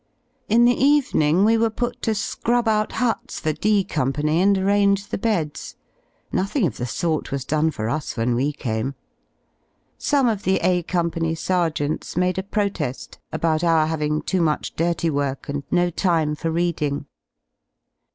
In the evening we were put to scrub out huts for D Company, and arrange the beds. Nothing of the sort was done for us when we came. Some of the A Company ser geants made a prote^ about our having too much dirty work and no time for reading.